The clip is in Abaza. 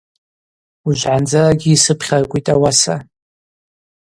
Ужвгӏандзарагьи йсыпхьаркӏвитӏ ауаса.